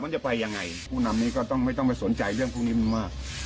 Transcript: จะไปยังไงผู้นำนี้ก็ต้องไม่ต้องไปสนใจเรื่องพวกนี้มาก